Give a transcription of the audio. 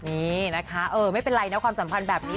นี่นะคะเออไม่เป็นไรนะความสัมพันธ์แบบนี้